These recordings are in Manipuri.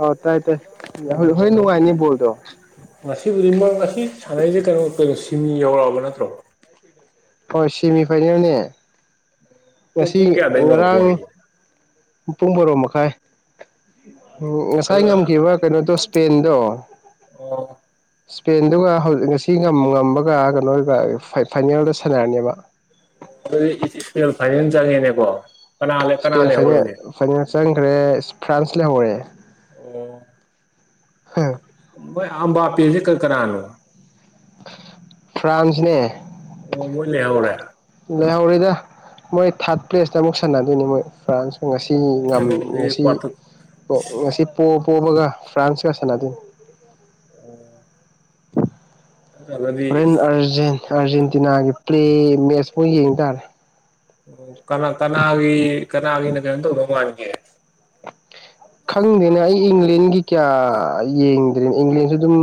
ꯑꯧ ꯇꯥꯏ ꯇꯥꯏ ꯍꯣꯔꯦꯜ ꯑꯣ ꯅꯨꯡꯉꯥꯏꯅꯤ ꯕꯣꯜꯗꯣ ꯉꯁꯤꯕꯨꯗꯤ ꯃꯣꯢ ꯉꯁꯤ ꯁꯥꯟꯅꯔꯤꯁꯦ ꯀꯩꯅꯣ ꯀꯩꯅꯣ ꯁꯤꯃꯤ ꯌꯧꯔꯛꯑꯕ ꯅꯠꯇ꯭ꯔꯣ ꯍ‌ꯣꯏ ꯁꯤꯃꯤ ꯐꯥꯏꯅꯦꯜꯅꯦ ꯄꯨꯡ ꯉꯁꯤ ꯄꯨꯡ ꯀꯌꯥꯗꯩꯅꯣ ꯉꯔꯥꯡ ꯕꯣꯜꯗꯤ ꯄꯨꯡ ꯚꯥꯔꯣ ꯃꯈꯥꯏ ꯉꯁꯥꯏ ꯑꯗꯨꯅ ꯉꯝꯈꯤꯕ ꯀꯩꯅꯣꯗꯣ ꯁ꯭ꯄꯦꯟꯗꯣ ꯑꯣ ꯁ꯭ꯄꯦꯟꯗꯨꯒ ꯉꯁꯤ ꯉꯝꯕꯒ ꯀꯩꯅꯣꯒ ꯐꯥꯏꯅꯦꯜꯗ ꯁꯥꯟꯅꯔꯅꯦꯕ ꯑꯗꯨꯗꯤ ꯁ꯭ꯄꯦꯟ ꯐꯥꯏꯅꯦꯜ ꯆꯪꯉꯦꯅꯦꯀꯣ ꯀꯅꯥ ꯂꯩ ꯀꯅꯥ ꯁ꯭ꯄꯦꯟ ꯐꯥꯢꯅꯦꯜ ꯂꯩꯍꯧꯔꯒꯦ ꯐꯥꯢꯅꯦꯜ ꯆꯪꯈ꯭ꯔꯦ ꯐ꯭ꯔꯥꯟꯁ ꯂꯩꯍꯧꯔꯦ ꯑꯣ ꯃꯣꯏ ꯑꯝꯕꯥꯄꯤꯦꯁꯤꯦ ꯀꯔꯤ ꯀꯅꯥꯅꯣ [inaudible] ꯐ꯭ꯔꯥꯟꯁꯅꯦ ꯃꯣꯢ ꯂꯩꯍꯧꯔꯦ ꯂꯩꯍꯧꯔꯦꯗ ꯃꯣꯏ ꯊꯥꯔꯠ ꯄ꯭ꯂꯦꯁꯇ ꯑꯃꯨꯛ ꯁꯥꯟꯅꯗꯣꯏꯅꯤ ꯃꯣꯏ ꯐ꯭ꯔꯥꯟꯁ ꯉꯁꯤ ꯉꯝ ꯀꯩꯅꯣꯒꯤ ꯀ꯭ꯋꯥꯇꯔ ꯉꯁꯤ ꯄꯣ ꯄꯣꯕꯒ ꯐ꯭ꯔꯥꯟꯁꯀ ꯁꯥꯟꯅꯗꯣꯏꯅꯤ ꯑꯣ ꯇꯥꯡ ꯆꯥꯗꯗꯤ ꯍꯣꯔꯦꯟ ꯑꯥꯔꯖꯦꯟ ꯑꯥꯔꯖꯦꯟꯇꯤꯅꯥꯒꯤ ꯄ꯭ꯂꯦ ꯃꯦꯠꯆ ꯑꯣꯢ ꯌꯦꯡ ꯇꯥꯔꯦ ꯀꯅꯥ ꯀꯅꯥꯒꯤ ꯀꯅꯥꯒꯤꯅ ꯀꯩꯅ‌ꯣ ꯇꯧꯗꯧ ꯃꯥꯟꯒꯦ ꯈꯪꯗꯦꯅꯦ ꯑꯩ ꯏꯪꯂꯦꯟꯒꯤ ꯀꯌꯥ ꯌꯦꯡꯗ꯭ꯔꯦꯅꯦ ꯏꯪꯂꯦꯟꯁꯨ ꯑꯗꯨꯝ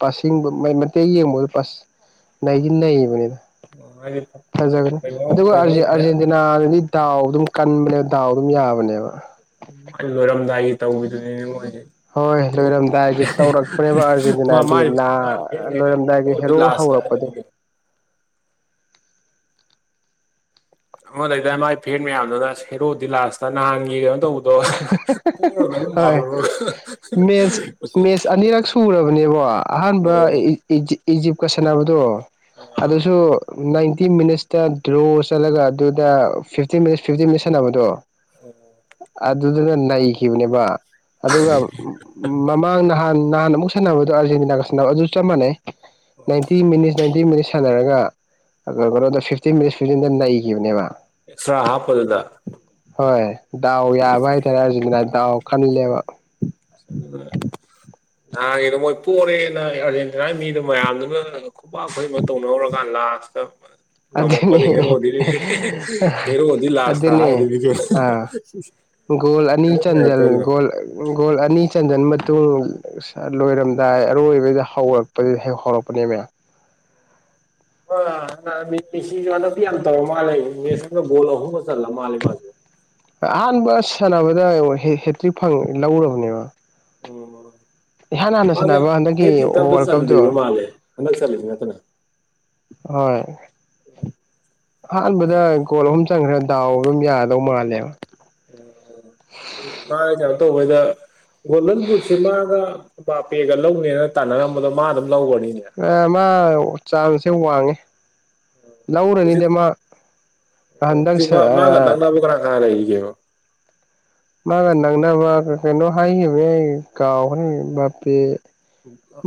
ꯄꯁꯤꯡꯕ ꯃꯩ ꯃꯇꯦꯛ ꯌꯦꯡꯕꯒ ꯄꯥꯁ ꯅꯩꯗꯤ ꯅꯩꯕꯅꯦꯗ ꯍꯥꯏꯗꯤ ꯐꯖꯒꯅꯤ ꯀꯩꯅꯣ ꯑꯗꯨꯒ ꯀꯩꯅꯣ ꯑꯔꯖꯦꯟ ꯑꯔꯖꯦꯟꯇꯤꯅꯥꯗꯗꯤ ꯗꯥꯎ ꯑꯗꯨꯝ ꯀꯟꯕꯅꯦꯕ ꯗꯥꯎ ꯑꯗꯨꯝ ꯌꯥꯕꯅꯦꯕ ꯎꯝ ꯂꯣꯏꯔꯝꯗꯥꯏꯒꯤ ꯇꯧꯕꯤꯗꯨꯅꯤꯅꯦ ꯃꯣꯢꯁꯦ ꯍꯣꯏ ꯍꯦꯔꯣ ꯂꯣꯏꯔꯝꯗꯥꯏꯒꯤ ꯇꯧꯔꯛꯄꯅꯦꯕ ꯃꯥ ꯑꯥꯔꯖꯦꯟꯇꯤꯅꯥꯗꯤ ꯃꯥꯏ ꯂꯥ ꯃꯥꯒꯤ ꯐꯦꯟꯒꯩꯅ ꯂꯣꯏꯔꯝꯗꯥꯏꯒꯤ ꯍꯦꯔꯣꯗꯤ ꯍꯦꯔꯣ ꯂꯥꯁꯇ ꯍꯧꯔꯛꯄꯗꯣ ꯍꯥꯏꯗꯨꯅꯤ ꯀꯩꯅꯣ ꯑꯃ ꯂꯩꯗꯥꯏ ꯃꯥꯒꯤ ꯐꯦꯟ ꯃꯌꯥꯝꯗꯨꯅ ꯍꯦꯔꯣꯗꯤ ꯂꯥꯁꯇ ꯅꯍꯥꯟꯒꯤ ꯀꯩꯅꯣ ꯇꯧꯕꯗꯣ ꯑꯗꯣ ꯄꯣꯔꯗꯧ ꯍꯣꯏ ꯃꯥꯜꯂꯨꯔꯒ ꯃꯁꯤ [inaudible] ꯁꯨꯔꯕꯅꯦꯕꯀꯣ ꯑꯍꯥꯟꯕ ꯏꯖꯤꯞꯀ ꯁꯥꯟꯅꯕꯗꯣ ꯑꯗꯨꯁꯨ ꯅꯥꯏꯟꯇꯤ ꯃꯤꯅꯠꯁꯇ ꯗ꯭ꯔꯣ ꯆꯠꯂꯒ ꯑꯗꯨꯗ ꯐꯤꯞꯇꯤꯟ ꯃꯤꯅꯠꯁ ꯐꯤꯞꯇꯤꯟ ꯃꯤꯅꯠꯁ ꯁꯥꯟꯅꯕꯗꯣ ꯑꯣ ꯑꯗꯨꯗꯅ ꯅꯩꯈꯤꯕꯅꯦꯕ ꯑꯗꯨꯒ ꯃꯃꯥꯡ ꯅꯍꯥꯟ ꯅꯍꯥꯟ ꯑꯃꯨꯛ ꯁꯥꯟꯅꯕꯗꯣ ꯑꯥꯔꯖꯦꯟꯇꯤꯅꯥꯒ ꯁꯥꯟꯅꯕꯗꯣ ꯆꯞ ꯃꯥꯟꯅꯩ ꯅꯥꯏꯟꯇꯤ ꯃꯤꯅꯤꯠ ꯅꯥꯏꯟꯇꯤ ꯃꯤꯅꯤꯠ ꯁꯥꯟꯅꯔꯒ ꯀꯩꯅꯣꯗ ꯐꯤꯞꯇꯤꯟ ꯃꯤꯅꯠꯁ ꯐꯤꯞꯇꯤꯟꯗ ꯅꯩꯈꯤꯕꯅꯦꯕ ꯑ‌ꯦ‍ꯛꯁꯇ꯭ꯔꯥ ꯍꯥꯞꯄꯗꯨꯗ ꯍꯣꯏ ꯗꯥꯎ ꯌꯥꯕ ꯍꯥꯏꯇꯥꯔꯦ ꯑꯔꯖ‌ꯦꯟꯇꯤꯅ ꯗꯥꯎ ꯈꯜꯂꯦꯕ [unintelligible] ꯅꯍꯥꯟꯒꯤꯗꯣ ꯃꯣꯏ ꯄꯣꯔꯦꯅ ꯑꯥꯔꯖꯦꯟꯇꯤꯅꯥꯒꯤ ꯃꯤꯗ‌ꯣ ꯃꯌꯥꯝꯗꯨꯅ ꯈꯨꯄꯥꯛ ꯇꯧꯅꯔꯨꯔꯀꯥꯟ ꯂꯥꯁꯇ ꯑꯗꯨꯅꯦ ꯉꯝꯃꯛꯄꯗꯤ ꯍꯦꯔꯣꯗꯤꯗꯤ ꯍꯦꯔꯣꯗꯤ ꯂꯥꯁꯇ ꯑꯗꯨꯅꯦ ꯍꯥꯏꯗꯨꯅꯤ [unintelligible] ꯑꯥ ꯒꯣꯜ ꯑꯅꯤ ꯆꯟꯖꯜ ꯀꯩꯅꯣ ꯒ‌ꯣꯜ ꯒꯣꯜ ꯑꯅꯤ ꯆꯟꯁꯤꯟ ꯃꯇꯨꯡ ꯂꯣꯏꯔꯝꯗꯥꯏ ꯑꯔꯣꯏꯕꯗ ꯍꯧꯔꯛꯄꯗꯨ ꯍꯦꯛ ꯍꯧꯔꯛꯄꯅꯦ ꯑ‌ ꯃꯦ ꯃꯦꯁꯤꯁꯨ ꯍꯟꯗꯛꯇꯤ ꯌꯥꯝ ꯇꯧꯔ ꯃꯥꯜꯂꯦ ꯃꯦꯁ ꯑꯃꯒ ꯒꯣꯜ ꯑꯍꯨꯝꯒ ꯆꯜꯂ ꯃꯥꯜꯂꯦ ꯃꯥꯖꯨ ꯑꯍꯥꯟꯕ ꯁꯥꯟꯅꯕꯗ ꯌꯦꯉꯣ ꯍꯦꯇ꯭ꯔꯤꯛ ꯐꯪ ꯂꯧꯔꯕꯅꯦꯕ ꯏꯍꯥꯟ ꯍꯥꯟꯅ ꯃꯥꯖꯦ ꯁꯥꯟꯅꯕ ꯍꯦꯠ ꯍꯟꯗꯛꯀꯤ ꯇ꯭ꯔꯤꯛꯇ ꯑꯝꯇ ꯋꯥꯔꯜ ꯆꯟꯗ꯭ꯔꯤꯕ ꯀꯞꯇꯣ ꯃꯥꯜꯂꯦ ꯍꯟꯗꯛ ꯆꯜꯂꯤꯁꯦ ꯅꯠꯇꯅ ꯍꯣꯏ ꯑꯍꯥꯟꯕꯗ ꯒꯣꯜ ꯑꯍꯨꯝ ꯆꯪꯈ꯭ꯔꯦ ꯗꯥꯎ ꯑꯗꯨꯝ ꯌꯥꯗꯧ ꯃꯥꯜꯂꯦꯕ [unintelligible] ꯃꯥꯅ ꯀꯩꯅꯣ ꯇꯧꯕꯩꯗ ꯒꯣꯜꯗꯟ ꯕꯨꯠꯁꯦ ꯃꯥꯒ ꯕꯥꯄꯦꯒ ꯂꯧꯅꯦꯅ ꯇꯥꯟꯅꯔꯝꯕꯗꯣ ꯃꯥ ꯑꯗꯨꯝ ꯂꯧꯒ꯭ꯔꯅꯤꯅꯦ ꯑꯦ ꯃꯥ ꯆꯥꯟꯁꯁꯦ ꯋꯥꯡꯉꯦ ꯍꯧꯖꯤꯛ ꯂꯧꯔꯅꯤꯗ ꯃꯥ ꯎꯝ ꯅꯍꯥꯟꯗꯪ ꯍꯧꯖꯤꯛ ꯃꯥ ꯃꯥꯒ [unintelligible] [unintelligible] ꯃꯥꯒꯥ ꯅꯛꯅꯕ ꯀꯩꯅꯣ ꯍꯥꯏꯒꯤꯕꯅꯦ ꯑꯩ ꯀꯥꯎꯕꯅꯤꯅꯦ ꯕꯥꯄꯦ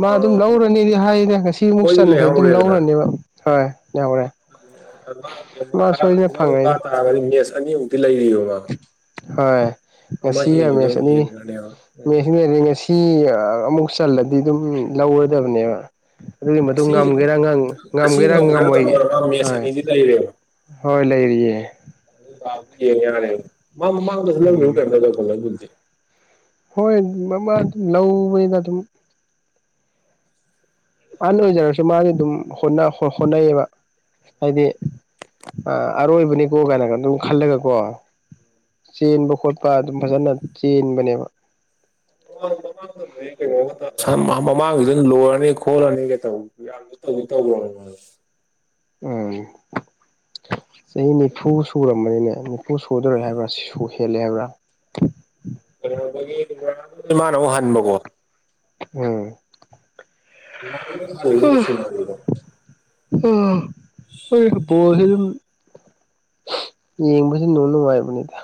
ꯃꯥ ꯑꯗꯨꯝ ꯂꯧꯔꯅꯤꯗꯤ ꯍꯥꯏꯗ ꯉꯁꯤꯃꯨꯛ ꯃꯣꯏꯗꯤ ꯆꯟꯈꯔꯗꯤ ꯑꯗꯨꯝ ꯂꯧꯔꯅꯦꯕ ꯍꯣꯏ ꯌꯥꯎꯔꯦ ꯃꯥ ꯁꯣꯏꯗꯅ [unintelligible] ꯀꯥ‌ ꯐꯪꯉꯅꯤꯗ ꯇꯥꯔꯒꯗꯤ ꯃꯦꯁ ꯑꯅꯤꯃꯨꯛꯇꯤ ꯂꯩꯔꯤꯕ ꯃꯥ ꯍꯣꯏ ꯑꯃ ꯉꯁꯤꯒ ꯍꯦꯟꯒꯤꯕꯗꯣ ꯃꯦꯁ ꯑꯗꯨꯝ ꯑꯅꯤ ꯍꯦꯟꯒ꯭ꯔꯅꯦꯕ ꯎꯝ [unintelligible] ꯏ ꯑꯃꯨꯛ ꯆꯜꯂꯗꯤ ꯑꯗꯨꯝ ꯂꯧꯔꯗꯕꯅꯦꯕ ꯑꯗꯨꯒꯤ ꯃꯇꯨꯡ ꯑꯁꯤ ꯉꯝꯒꯦꯔꯥ ꯑꯁꯤ ꯉꯝꯒꯦꯔꯥ ꯉꯝꯒꯗ꯭ꯔ ꯉꯝꯃꯣꯏ ꯉꯝꯃꯣꯏꯗ꯭ꯔ ꯃꯥ ꯃꯦꯠꯁ ꯑꯅꯤꯗꯤ ꯂꯩꯔꯦꯕ ꯍꯣꯏ ꯂꯩꯥꯔꯤꯌꯦ ꯑꯗꯨ ꯀꯥꯕꯗꯨ ꯌꯦꯡ ꯌꯥꯔꯦ ꯃꯥ ꯃꯃꯥꯡꯗꯁꯨ ꯎꯝ ꯂꯧꯈꯤꯕ ꯀꯩꯅꯣꯝ [unintelligible] ꯍꯣꯏ ꯃꯃꯥ ꯗꯨꯝ ꯂꯧꯌꯦꯗ ꯑꯗꯨꯝ ꯑꯍꯟ ꯑꯣꯏꯖꯔꯁꯨ ꯃꯥꯗꯤ ꯑꯗꯨꯝ ꯍꯣꯠꯅ ꯍꯣꯠꯅꯩꯌꯦꯕ ꯍꯥꯏꯗꯤ ꯑꯔꯣꯏꯕꯅꯤꯀꯣ ꯀꯥꯏꯅꯒ ꯑꯗꯨꯝ ꯈꯜꯂꯒꯀꯣ ꯆꯦꯟꯕ ꯈꯣꯠꯄ ꯑꯗꯨꯝ ꯐꯖꯅ ꯆꯦꯟꯕꯅꯦꯕ [unintelligible] ꯃꯃꯥꯡꯒꯤꯗ ꯂꯣꯏꯔꯅꯤ ꯈꯣꯠꯂꯅꯤ ꯀꯩ ꯇꯧꯕ [unintelligible] ꯎꯝ ꯆꯍꯤ ꯅꯤꯐꯨ ꯁꯨꯔꯝꯃꯅꯤꯅꯦ ꯅꯤꯐꯨ ꯁꯨꯗꯣꯔꯦ ꯍꯥꯏꯕ꯭ꯔꯥ ꯁꯨ ꯍꯦꯜꯂꯦ ꯍꯥꯏꯕ꯭ꯔꯥ [unintelligible] ꯏꯃꯥꯅ ꯑꯃꯨꯛ ꯍꯟꯕꯀꯣ ꯎꯝ [unintelligible] ꯑꯥ ꯃꯣꯏ ꯕꯣꯜꯁꯤꯗꯨꯝ [unintelligible] ꯌꯦꯡꯕꯁꯦ ꯅꯨꯡꯗꯤ ꯅꯨꯡꯉꯥꯏꯕꯅꯤꯗ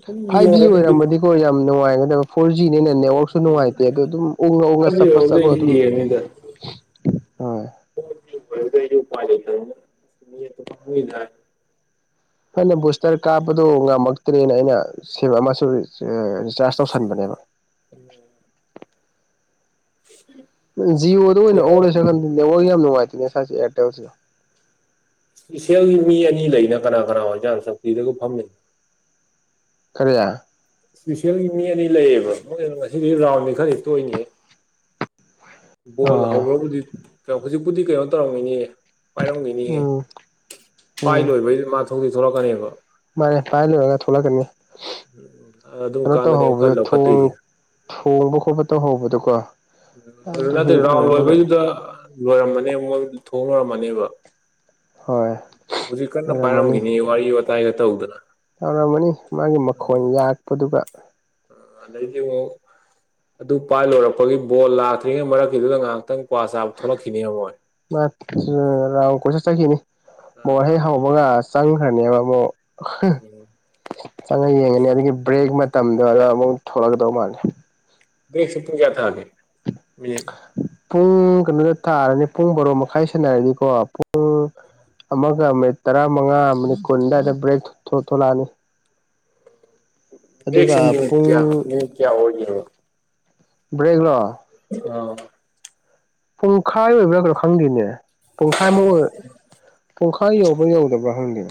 ꯁꯨꯝ ꯐꯥꯏꯚ ꯖꯤ ꯌꯦꯡꯉꯒꯗꯤ ꯕꯤꯠ ꯑꯣꯏꯔꯝꯕꯗꯤꯀꯣ ꯌꯥꯝ ꯅꯨꯡꯉꯥꯏꯒꯗꯕ ꯐꯣꯔ ꯖꯤꯅꯤꯅ ꯅꯦꯠꯋꯔꯛꯁꯨ ꯅꯨꯡꯉꯥꯏꯇꯦ ꯑꯗꯨꯗ ꯑꯗꯨꯝ ꯎꯡꯉ ꯎꯡꯉ ꯐꯥꯏꯚ ꯆꯞꯄ ꯖꯦꯔꯣꯗ ꯆꯞꯄꯒ ꯑꯩꯁꯨ ꯑꯗꯨꯝ ꯍꯣꯏ [unintelligible] ꯐꯅ ꯕꯨꯁꯇꯔ ꯀꯥꯞꯄꯗꯣ ꯉꯝꯃꯛꯇ꯭ꯔꯦꯅ ꯑꯩꯅ ꯁꯦꯕ ꯑꯃꯁꯨ ꯑ ꯔꯤꯆꯥꯔꯖ ꯇꯧꯁꯟꯕꯅꯦꯕ [unintelligible] [unintelligible] ꯖꯤꯑꯣꯗ ꯑꯣꯏꯅ ꯑꯣꯟꯂꯁꯤꯔ ꯈꯟꯕꯅꯦ ꯅꯦꯠꯋꯥꯛ ꯌꯥꯝ ꯅꯨꯡꯉꯥꯏꯇꯦꯅꯦ ꯁꯥꯏꯁꯦ ꯑꯦꯌꯥꯔꯇꯦꯜꯁꯦ ꯏꯁꯦꯜꯒꯤ ꯃꯤ ꯑꯅꯤ ꯂꯩꯅ ꯀꯅꯥ ꯀꯅꯥ ꯑꯣꯏꯖꯥꯟ ꯆꯧꯀ꯭ꯔꯤꯗꯒ ꯐꯝꯃꯤꯁꯦ ꯀꯔꯤ ꯏꯁꯄꯤꯁꯦꯜꯒꯤ ꯃꯤ ꯑꯅꯤ ꯂꯩꯌꯦꯕ ꯃꯣꯏ ꯉꯁꯤꯗꯤ ꯔꯥꯎꯟꯗꯤ ꯈꯔꯗꯤ ꯇꯣꯏꯅꯤ ꯕꯣꯜ ꯍꯧꯈ꯭ꯔꯕꯨꯗꯤ ꯍꯧꯖꯤꯛꯄꯨꯗꯤ ꯀꯩꯅꯣ ꯇꯧꯔꯝꯒꯤꯅꯤꯌꯦ ꯄꯥꯏꯔꯝꯒꯤꯅꯤꯌꯦ ꯎꯝ ꯄꯥꯏ ꯎꯝ ꯂꯣꯏꯕꯩ ꯃꯥ ꯊꯣꯡꯗꯤ ꯊꯣꯛꯂꯛꯀꯅꯦꯕ ꯃꯥꯅꯦ ꯄꯥꯏ ꯂꯣꯏꯒ ꯊꯣꯛꯂꯛꯀꯅꯤ ꯎꯝ ꯑꯗꯨꯝ ꯀꯥꯟꯗꯅꯦ ꯈꯔ ꯂꯧꯈꯠꯇꯣꯏꯁꯤꯅ ꯍꯣꯡꯕ ꯈꯣꯠꯄ ꯇꯧꯍꯧꯕꯗꯣꯀꯣ [unintelligible] ꯑꯗꯨ ꯅꯠꯇꯦ ꯍꯦꯛ ꯔꯥꯎꯟꯗ ꯂꯣꯏꯕꯒ ꯂꯣꯏꯕꯩꯗꯨꯗ ꯂꯣꯏꯔꯝꯃꯅꯦꯕ ꯃꯣꯏ ꯊꯣꯡ ꯂꯣꯏꯔꯝꯃꯅꯦꯕ ꯍꯣꯏ ꯍꯧꯖꯤꯛ ꯀꯟꯅ ꯄꯥꯏꯔꯝꯈꯤꯅꯦ ꯋꯥꯔꯤ ꯋꯥꯇꯥꯏꯒ ꯇꯧꯗꯅ ꯌꯥꯧꯔꯝꯃꯅꯤ ꯃꯥꯒꯤ ꯃꯈꯣꯟ ꯌꯥꯔꯛꯄꯗꯨꯒ ꯗꯩꯗꯤꯉ ꯑꯗꯨ ꯄꯥꯏ ꯂꯣꯏꯔꯛꯄꯒꯤ ꯕꯣꯜ ꯂꯥꯛꯇ꯭ꯔꯤꯉꯩ ꯃꯔꯛꯀꯤꯗꯨꯗ ꯉꯥꯏꯍꯥꯛꯇꯪ ꯀ꯭ꯋꯥ ꯆꯥꯕ ꯊꯣꯛꯂꯛꯈꯤꯅꯤ ꯃꯣꯏ ꯔꯥꯎꯟ ꯀꯣꯏꯠ ꯆꯠꯈꯤꯅꯤ ꯃꯣꯔ ꯍꯩ ꯍꯕꯒ ꯆꯪꯈ꯭ꯔꯅꯦꯕ ꯑꯃꯛ ꯆꯪꯉꯒ ꯌꯦꯡꯉꯅꯤ ꯑꯗꯨꯒꯤ ꯕ꯭ꯔꯦꯛ ꯇꯝꯗꯔꯒ ꯑꯃꯨꯛ ꯊꯣꯛꯂꯛꯀꯗꯧ ꯃꯥꯜꯂꯦ ꯕꯦꯛꯁꯨ ꯄ ꯀꯌꯥ ꯊꯦ ꯃ ꯄꯨꯡ ꯀꯩꯅꯣꯗ ꯊꯥꯔꯅꯤ ꯄꯨꯡ ꯕꯔꯣ ꯃꯈꯥꯏ ꯁꯟꯅꯔꯅꯤꯀꯣ ꯄꯨꯡ ꯑꯃꯒ ꯑꯃꯠ ꯇꯔꯥꯃꯉꯥ ꯃꯤꯅꯤꯠ ꯀꯨꯟ ꯑꯗꯨꯋꯥꯏꯗ ꯕ꯭ꯔꯦꯛ ꯊꯣꯛꯂꯛꯑꯅꯤ ꯑꯦꯁ ꯑꯗꯨꯒ ꯄꯨꯡ ꯀꯌꯥ ꯅꯤꯡ ꯀꯌꯥ ꯍꯒꯣ ꯕ꯭ꯔꯦꯛ ꯂꯣ ꯑ ꯄꯨꯡꯈꯥꯏ ꯑꯣꯏꯕ꯭ꯔꯥ ꯀ꯭ꯔꯣ ꯈꯪꯗꯦꯅꯦ ꯄꯨꯡꯈꯥꯏ ꯑꯃ ꯑꯣꯏ ꯄꯨꯡꯈꯥꯏ ꯌꯧꯕ꯭ꯔꯥ ꯌꯧꯗꯕ꯭ꯔꯥ ꯍꯪꯉꯦ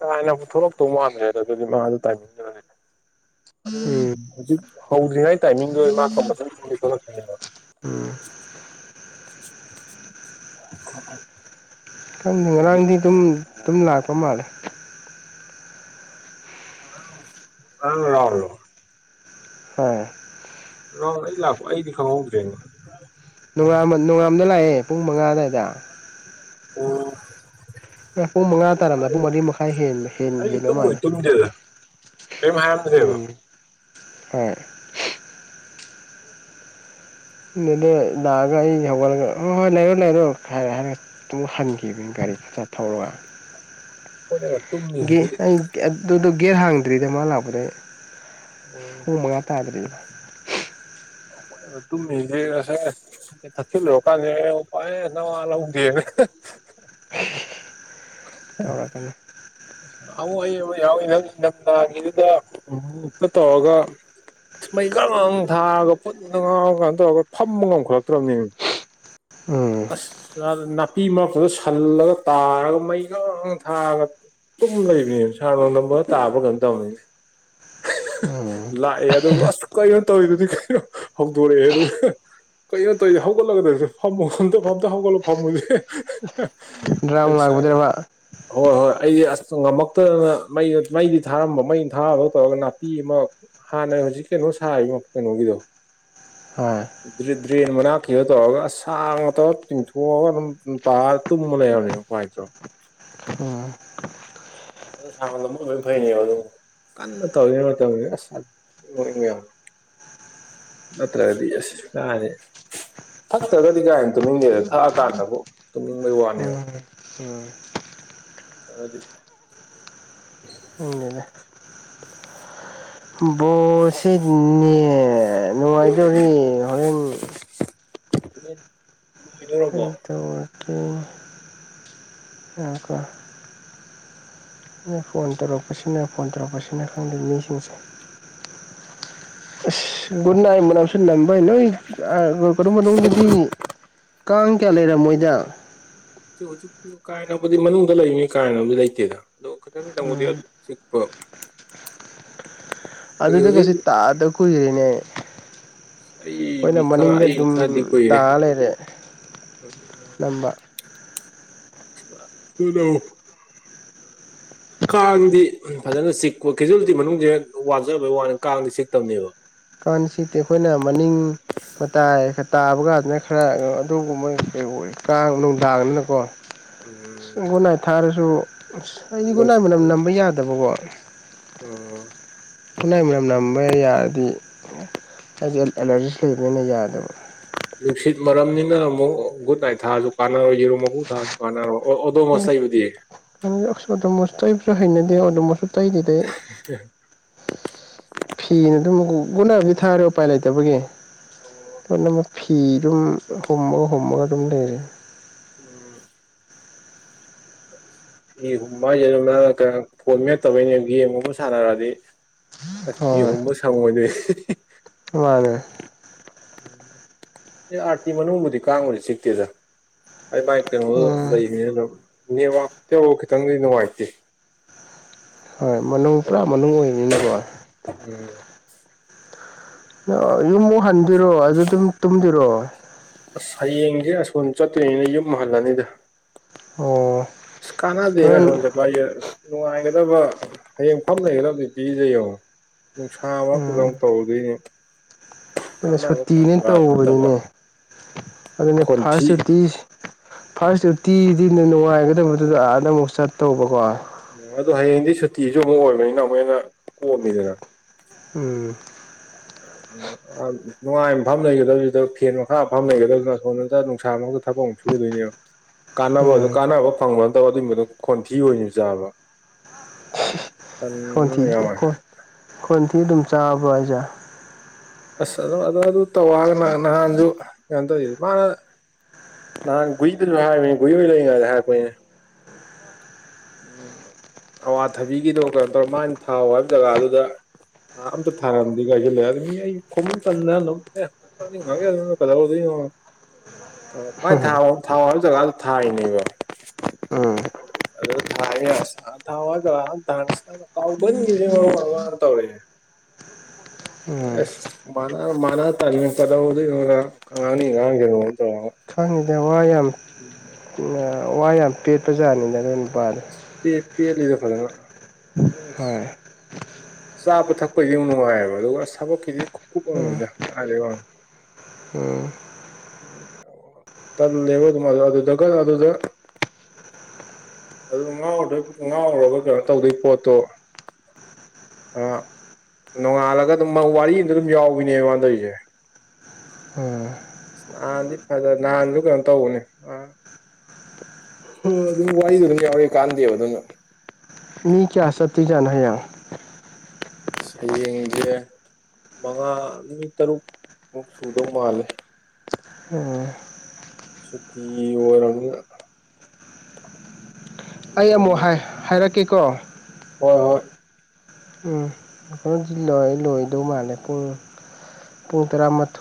ꯀꯥꯏꯅ ꯑꯃꯨꯛ ꯊꯣꯛꯂꯛꯇꯧ ꯃꯥꯟꯗ꯭ꯔꯦꯗ ꯑꯗꯨꯗꯤ ꯃꯥꯗꯣ ꯇꯥꯏꯃꯤꯡꯗꯨ ꯑꯗꯨ ꯎꯝ ꯍꯧꯖꯤꯛ ꯍꯧꯗ꯭ꯔꯤꯉꯩ ꯇꯥꯏꯃꯤꯡꯗꯣ ꯃꯥ ꯀꯄꯜꯁꯔꯤ ꯊꯣꯛꯇꯤ ꯊꯣꯛꯂꯛꯀꯅꯦꯕ ꯑ ꯈꯪꯗꯦ ꯉꯔꯥꯡꯗꯤ ꯑꯗꯨꯝ ꯑꯗꯨꯝ ꯂꯥꯛꯄ ꯃꯥꯜꯂꯦ ꯑ ꯌꯥꯎꯔꯂꯣ ꯑꯣ ꯔ ꯑꯩ ꯂꯥꯛꯄ ꯑꯩꯗꯤ ꯈꯪꯍꯧꯗ꯭ꯔꯦꯅꯦ ꯅꯣꯡꯉꯥ ꯅꯣꯡꯉꯥꯝꯗ ꯂꯥꯛꯑꯦ ꯄꯨꯡ ꯃꯉꯥ ꯑꯗꯨꯗꯥꯏꯗ ꯑ ꯄꯨꯡ ꯃꯉꯥ ꯇꯥꯔꯝꯗꯥ ꯄꯨꯡ ꯃꯔꯤ ꯃꯈꯥꯏ ꯑꯩ ꯍꯦꯟꯂꯕ ꯇꯨꯝꯕꯨꯗꯤ ꯃꯥꯜꯂꯦ ꯇꯨꯝꯗꯦꯗ ꯀꯔꯤꯝ ꯍꯥꯏꯔꯝꯗꯦꯕꯣ ꯍ ꯗ ꯂꯥꯛꯑꯒ ꯑꯩ ꯍꯧꯒꯠꯂꯒ ꯍꯣꯏ ꯍꯣꯏ ꯂꯩꯔꯣ ꯂꯩꯔꯣ ꯍꯥꯏꯔꯦ ꯍꯥꯏꯔꯦ ꯑꯗꯨꯨꯡ ꯍꯟꯈꯤꯕꯅꯤ ꯒꯥꯔꯤ ꯆꯠ ꯊꯧꯔꯒ ꯑꯩꯈꯣꯏꯅꯒ ꯇꯨꯝꯃꯤꯁꯤꯗꯤ ꯑꯩ ꯑꯗꯨꯗꯣ ꯒꯦꯔ ꯍꯥꯡꯗ꯭ꯔꯤꯗ ꯃꯥ ꯂꯥꯛꯄꯗ ꯑꯣ ꯍ ꯃꯥꯇꯗ꯭ꯔꯤ ꯇꯨꯃꯤ ꯑꯁꯦ ꯊ ꯂꯀꯅꯤ ꯄꯑ ꯅꯉ ꯂꯧꯕꯗ ꯇꯧꯔꯛꯀꯅꯤ ꯑ ꯑꯃ ꯑꯩ ꯑꯃ ꯌꯥꯎꯋꯤ ꯅꯪ ꯅꯝꯗꯥꯒꯤꯗꯨꯗ ꯇꯧꯔꯒ ꯃꯩꯒ ꯊꯥꯔꯒ ꯄꯨꯠ ꯉꯥꯡꯔꯒ ꯀꯥꯏꯅ ꯇꯧꯔꯒ ꯐꯝꯕ ꯉꯝꯈꯠꯂꯛꯇ꯭ꯔꯕꯅꯦ ꯎꯝ ꯑꯁ ꯅꯥꯄꯤ ꯃꯔꯛꯇꯨꯗ ꯁꯜꯂꯒ ꯇꯥꯔꯒ ꯃꯩꯒ ꯊꯥꯒ ꯑꯗꯨꯨꯝ ꯂꯩꯕꯅꯦꯕ ꯁꯥꯔ ꯂꯣꯡ ꯅꯝꯕ ꯇꯥꯕ ꯀꯩꯅꯣ ꯇꯧꯅꯤꯅꯦ ꯎꯝ ꯂꯥꯛꯑꯦ ꯑꯗꯨꯒ ꯑꯁꯨꯛ ꯀꯩꯅꯣ ꯇꯧꯋꯗꯨꯗꯤ ꯀꯩꯅꯣ ꯍꯧꯗꯣꯔꯛꯑꯦ ꯑꯗꯨꯒ ꯀꯩꯅꯣ ꯇꯧꯔꯤꯦ ꯍꯧꯒꯠꯂꯒꯗꯧꯁꯦ ꯐꯝꯃꯨ ꯐꯝꯇ ꯐꯝꯇ ꯍꯧꯒꯠꯂꯣ ꯐꯝꯃꯨꯁꯦ ꯗ꯭ꯔꯥꯝ ꯂꯥꯛꯕꯗ꯭ꯔꯕ ꯍꯣꯏ ꯍꯣꯏ ꯑꯩꯗꯤ ꯑꯁ ꯉꯝꯃꯛꯇꯗꯅ ꯃꯩ ꯃꯩꯗꯤ ꯊꯥꯔꯝꯕ ꯃꯩ ꯊꯥꯔꯗ ꯇꯧꯔꯒ ꯅꯥꯄꯤ ꯑꯃ ꯍꯥꯟꯅꯩ ꯍꯧꯖꯤꯛ ꯀꯩꯅꯣ ꯁꯥꯔꯤꯕ ꯀꯩꯅꯣꯒꯤꯗꯣ ꯍꯣꯏ ꯗ꯭ꯔꯦꯟ ꯃꯅꯥꯛ ꯀꯤꯔ ꯇꯧꯔꯒꯁꯥꯡ ꯉꯧ ꯇꯤꯡꯊꯣꯛꯑꯒ ꯑꯗꯨꯝꯥꯔ ꯇꯨꯝꯕ ꯂꯩꯔꯅꯦꯕ ꯄꯄꯥꯥꯏ ꯆꯣ ꯎꯝ ꯑ ꯁꯥꯡ ꯐꯩꯅꯤ ꯑꯗꯨ ꯀꯟꯅ ꯇꯧꯔꯤꯉꯩ ꯃꯇꯝꯁ ꯑꯁꯕ ꯌꯥꯎ ꯑꯠꯇꯒꯗꯤ ꯀꯦ ꯊꯛꯇ꯭ꯔꯒꯗꯤꯅ‌ꯦ [unintelligible] ꯊꯛꯑꯀꯥꯟꯗꯕꯨ ꯇꯨꯝꯅꯤꯡꯕꯩ ꯋꯥꯅꯦꯕ ꯎꯝ ꯎꯝ [unintelligible] ꯈꯪꯗꯦꯗ [unintelligible] ꯕꯣꯁꯤꯅꯦ ꯅꯨꯡꯉꯥꯏꯗꯣꯔꯤ ꯍꯣꯔꯦꯟ [unintelligible] [unintelligible] [unintelligible] ꯐꯣꯟ ꯇꯧꯔꯛꯄꯁꯤꯅ ꯐꯣꯟ ꯇꯧꯔꯛꯄꯁꯤꯅ ꯈꯪꯗꯦ ꯃꯤꯁꯤꯡꯁꯦ ꯑꯁ ꯒꯨꯗ ꯅꯥꯏꯠ ꯃꯅꯝꯁꯨ ꯅꯝꯗꯥꯏ ꯅꯣꯏ ꯑꯥ ꯀꯩꯅ‌ꯣ ꯃꯅꯨꯡꯗꯗꯤ ꯀꯥꯡ ꯀꯌꯥ ꯂꯩꯔꯝꯃꯣꯏꯗ ꯀꯥ ꯍ‌ꯦꯟꯅꯕꯨꯗꯤ ꯃꯅꯨꯡꯗ ꯂꯩꯕꯅꯤꯟ ꯀꯥ ꯍ‌ꯦꯟꯅꯕꯨꯗꯤ ꯂꯩꯇꯦꯗ ꯑꯗꯣ ꯈꯤꯇꯪ ꯇꯪꯕꯨꯗꯤ ꯎꯝ ꯆꯤꯛꯄ ꯍꯧꯖꯤꯛ ꯍꯧꯖꯤꯛ ꯑꯗꯨꯗꯨꯒꯁꯤ ꯇꯥꯗ ꯀꯨꯏꯔꯦꯅꯦ ꯈ‌ꯣꯏꯅ ꯑꯩꯗꯤ ꯈꯔ ꯃꯅꯤꯡꯗ ꯑꯩ ꯑꯗꯨꯝ ꯈꯔꯗꯤ ꯇꯥ ꯀꯨꯏꯔꯦ ꯂꯩꯔꯦ ꯑꯅꯝꯕ [unintelligible] ꯀꯥꯡꯗꯤ ꯐꯖꯅ ꯆꯤꯛꯄ ꯀ‌ꯦꯖꯨꯜꯇꯤ ꯃꯅꯨꯡꯁ‌ꯦ ꯋꯥꯖꯕꯩ ꯋꯥꯅꯤ ꯀꯥꯡꯗꯤ ꯆꯤꯛꯇꯕꯅꯦꯕ ꯀꯥꯡ ꯆꯤꯛꯇ‌ꯦ ꯑꯩꯈꯣꯏꯅ ꯃꯅꯤꯡ ꯃꯇꯥꯏ ꯇꯥꯕꯒꯥꯟꯗꯅ ꯈꯔ ꯑꯗꯨꯒꯨꯝꯕ ꯀꯩ ꯑꯣꯏ ꯀꯥꯡ ꯅꯨꯡꯗꯥꯡꯗꯅꯀꯣ ꯎꯝ ꯒꯨꯠꯅꯥꯏꯠ ꯊꯥꯔꯁꯨ ꯑꯁ ꯑꯩꯗꯤ ꯒꯨꯠꯅꯥꯏꯠ ꯃꯅꯝ ꯅꯝꯕ ꯌꯥꯗꯕꯀꯣ ꯎꯝ ꯐꯤꯟꯅꯥꯏ ꯃꯅꯝ ꯅꯝꯕ ꯌꯥꯔꯗꯤ ꯑꯩꯖ‌ꯦ ꯑꯦꯂꯔꯖꯤꯁꯨ ꯂꯩꯕꯅꯤꯅ ꯌꯥꯗꯕ ꯅꯨꯡꯁꯤꯠ ꯃꯔꯝꯅꯤꯅ ꯑꯃꯨꯛ ꯒꯨꯠ ꯅꯥꯏꯠ ꯊꯥꯔꯁꯨ ꯀꯥꯟꯅꯔꯣꯏ ꯌꯦꯔꯨꯝ ꯃꯀꯨ ꯊꯥꯔ‌ꯣ [unintelligible] ꯑꯣꯗꯣ ꯃꯆꯩꯕꯗꯤ ꯑꯣꯛꯁ‌ꯣꯗ‌ꯣꯃ‌ꯣꯁ ꯇꯩꯕꯁꯨ ꯍꯩꯅꯗꯦ ꯑꯗꯨꯝꯁꯨ ꯇꯩꯗ‌ꯦꯗ ꯑꯩ ꯐꯤꯅ ꯑꯗꯨꯝ ꯒꯨꯠꯅꯥꯏꯠꯄꯨꯗꯤ ꯊꯥꯔꯦ ꯎꯄꯥꯏ ꯂꯩꯇꯕꯒꯤ ꯑꯗꯨꯝ ꯐꯤꯗꯨꯝ ꯍꯨꯝꯃ ꯍꯨꯝꯃꯒ ꯑꯗꯨꯝ ꯂꯩꯔꯦ ꯎꯝ ꯐꯤ ꯍꯨꯝꯕ ꯍꯥꯏꯖ‌ꯦ ꯅꯪ ꯀ ꯐꯣꯟ ꯃꯦꯟꯇꯕꯩꯅꯦ ꯒ‌ꯦꯝꯒꯨꯝꯕ ꯁꯥꯟꯅꯔꯛꯗꯤ ꯑꯁ ꯐꯤ ꯍꯣꯏ ꯍꯨꯝꯕ ꯁꯪꯉ‌ꯣꯏꯗꯩꯟ ꯃꯥꯅꯦ ꯑꯦ ꯑꯥꯔꯇꯤ ꯃꯅꯨꯡꯕꯨꯗꯤ ꯀꯥꯡꯕꯨꯗꯤ ꯆꯤꯛꯇꯦꯗ ꯍꯥꯏ ꯃꯥꯏ ꯀꯩꯅꯣꯗꯣ ꯎꯝ ꯂꯩꯕꯅꯤꯅ ꯗꯨꯝ ꯅꯦꯠꯋꯥꯛꯇ‌ꯣ ꯈꯤꯇꯪꯗꯤ ꯅꯨꯡꯉꯥꯏꯇꯦ ꯍꯣꯏ ꯃꯅꯨꯡ ꯄꯨꯔꯥ ꯑꯗꯨ ꯃꯅꯨꯡ ꯑꯣꯏꯕꯅꯤꯅꯀꯣ ꯎꯝ ꯑꯥ ꯌꯨꯝꯃꯨꯛ ꯍꯟꯗꯨꯏꯔꯣ ꯑꯗꯨꯗꯨꯝ ꯇꯨꯝꯗꯨꯏꯔꯣ ꯑꯁ ꯍꯌꯦꯡꯁꯦ ꯑꯁꯣꯝ ꯆꯠꯇꯣꯏꯅꯤꯅ ꯌꯨꯝ ꯍꯜꯂꯅꯤꯗ ꯑꯣ ꯑꯁ ꯀꯥꯟꯅꯥꯗ‌ꯦꯗ ꯍꯣꯔꯦꯟ ꯍꯧꯖꯤꯛ ꯑꯁ ꯅꯨꯡꯉꯥꯏꯒꯗꯕ ꯍꯌꯦꯡ ꯐꯝ ꯂꯩꯒꯗꯕ ꯗ꯭ꯌꯨꯇꯤꯖ‌ꯦ ꯌꯦꯡꯉꯣ ꯅꯨꯡꯁꯥ ꯃꯔꯛꯇꯨꯗ ꯃꯨꯛ ꯇꯧꯗꯣꯏꯅꯦ ꯑꯗꯨꯅ‌ ꯁꯨꯇꯤꯅꯦ ꯅꯠꯇꯕ ꯇꯧꯕꯅꯤꯅꯦ ꯑꯗꯨꯅꯦ ꯈꯣꯟꯊꯤ ꯐꯥꯔꯁ ꯁꯨꯇꯤ ꯐꯥꯔꯁ ꯗ꯭ꯌꯨꯇꯤꯗꯤꯅ‌ꯦ ꯅꯨꯡꯉꯥꯏꯒꯗꯕꯗꯨꯗ ꯑꯥꯗ ꯑꯃꯨꯛ ꯆꯠꯇꯧꯕꯀꯣ ꯎꯝ ꯑꯗꯣ ꯍꯌꯦꯡꯗꯤ ꯁꯨꯇꯤꯁꯨ ꯑꯃꯨꯛ ꯑꯣꯏꯕꯅꯤꯅ ꯑꯃꯨꯛ ꯍꯦꯟꯅ ꯀꯣꯝꯃꯤꯗꯅ ꯎꯝ [unintelligible] ꯅꯨꯡꯉꯥꯏꯕ ꯃꯐꯝ ꯂꯩꯒꯗꯧꯁꯤꯗ ꯐꯦꯟ ꯃꯈꯥ ꯐꯝ ꯂꯩꯒꯗꯕꯅꯤꯅ ꯑꯁꯣꯝꯗ ꯅꯨꯡꯁꯥ ꯃꯛꯇ ꯊꯕꯛ ꯑꯃꯨꯛ ꯁꯨꯗꯣꯏꯅꯦꯕ [unintelligible] ꯀꯥꯟꯅꯕꯗꯣ ꯎꯝ ꯀꯥꯟꯅꯕ ꯐꯪꯕ ꯅꯠꯇꯕ ꯑꯗꯨꯒꯤ ꯃꯊꯛ ꯈꯣꯟꯊꯤ ꯑꯣꯏꯅ ꯆꯥꯕ ꯈꯣꯟꯊꯤ ꯇꯟꯕ ꯌꯥꯎꯋꯦ ꯈꯣꯟꯊꯤ ꯑꯗꯨꯝ ꯆꯥꯕ꯭ꯔ‌ꯣ ꯍꯥꯏꯖꯦ ꯑꯁ ꯑꯗꯨꯝ ꯑꯗꯨ ꯑꯗꯨ ꯇꯧ ꯍꯥꯏꯒꯅ ꯅꯍꯥꯟꯁꯨ ꯀꯩꯅ‌ꯣ ꯇꯧꯋꯤ ꯃꯥꯅ ꯅ ꯒꯨꯏꯗꯁꯨ ꯍꯥꯏꯕꯅ‌ꯦ ꯒꯨꯏ ꯃ‌ꯣꯏ ꯂꯩꯉꯥꯏ ꯍꯥꯏꯔꯛꯄꯅ‌ꯦ ꯑꯋꯥꯊꯕꯤꯒꯤꯗꯣꯛ ꯀꯔ ꯇꯧꯔ ꯃꯥꯅ ꯊꯥꯎ ꯍꯥꯏꯕ ꯖꯒꯥꯗꯨꯗ ꯑꯝꯇ ꯊꯥꯔꯑꯗꯤ ꯀꯁꯤ ꯂꯩ ꯃꯤ ꯑꯩ ꯈꯣꯃ ꯆꯂꯅ ꯃꯥꯒꯦ ꯀꯗꯥ ꯑꯣꯏꯗ ꯃꯥꯏ ꯊ ꯊꯥꯎ ꯍꯥꯏꯕ ꯖꯒꯥꯁꯨ ꯊꯥꯅꯦꯕ ꯎꯝ ꯑꯗꯨꯗ ꯊꯦ ꯊꯥꯎꯒ ꯀꯥꯎꯕꯦ ꯋꯥ ꯋꯥꯔ ꯇꯧꯔꯦ ꯎꯝ ꯃ ꯃꯅ ꯇꯥꯡꯃꯤ ꯄꯗꯗꯤ ꯏꯅꯤ ꯉꯥꯡꯉꯣ ꯇꯉ ꯐꯪꯉꯤꯗꯦ ꯋꯥ ꯌꯥꯝꯃꯤ ꯎꯝ ꯋꯥ ꯌꯥꯝ ꯄꯦꯠꯄ ꯖꯥꯠꯅꯤꯅ ꯑꯗꯨꯣꯏꯅ ꯄꯥꯜꯂꯤ ꯄ ꯄ ꯂꯤꯗ ꯐꯗꯅ ꯍꯣꯏ ꯆꯥꯕ ꯊꯛꯄꯗꯤ ꯌꯥꯝ ꯅꯨꯡꯉꯥꯏꯌꯦꯕ ꯑꯗꯨꯒ ꯊꯕꯛꯀꯤꯗꯤꯀꯨꯞ ꯑꯃꯅꯤꯅꯤꯅ ꯑꯗꯩ ꯋꯥ ꯑꯣ ꯇ ꯂꯩꯦꯕ ꯑꯗꯨ ꯑꯗꯨꯗꯒ ꯑꯗꯨꯗ ꯑꯗꯨ ꯉꯥꯎꯔꯗꯣꯏ ꯉꯥꯎꯔꯒ ꯀꯩꯅꯣ ꯇꯧꯗꯣꯏ ꯄꯣꯠꯇꯣ ꯑ ꯅꯣꯡꯉꯥꯜꯂꯒ ꯑꯗꯨꯝ ꯋꯥꯔꯤ ꯑꯃꯗ ꯑꯗꯨꯝ ꯌꯥꯎꯏꯅꯦꯉꯟꯗꯔꯤꯁꯦ ꯑꯣ ꯅꯍꯥꯟꯗꯤ ꯐꯖꯦ ꯅꯍꯥꯟꯁꯨ ꯀꯩꯅꯣ ꯇꯧꯕꯅꯦ ꯑ ꯎ ꯑꯗꯨ ꯋꯥꯔꯤꯔꯦ ꯀꯥꯟꯗ ꯑꯗꯨ ꯃꯤ ꯀꯌꯥ ꯁꯊꯨꯖꯥꯟꯅ ꯍꯥꯏ ꯌꯥ ꯁꯌꯦꯦꯡꯁꯦ ꯃꯉꯥꯅꯤ ꯇꯔꯨꯛꯃꯨꯛ ꯁꯨꯗꯧ ꯃꯥꯜꯂꯦ ꯎꯝ ꯁꯨꯇꯤ ꯑꯣꯏꯔ ꯑꯩ ꯑꯃꯨꯛ ꯃꯥꯅꯤ ꯍꯥꯏ ꯑꯍꯨꯝ ꯍꯥꯏꯔꯛꯀꯦꯀꯣ ꯍꯣꯏ ꯍꯣꯏ ꯎꯝ ꯑꯩꯁꯤꯂꯣꯏ ꯂꯣꯏꯗꯧ ꯃꯥꯜꯂꯦ ꯄꯨꯡ ꯄꯨꯡ ꯇꯔꯥꯃꯊꯣꯏ